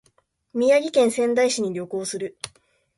宮城県仙台市に旅行する